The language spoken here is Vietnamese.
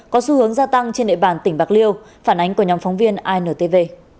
có xu hướng gia tăng trên nệ bản tỉnh bạc liêu phản ánh của nhóm phóng viên intv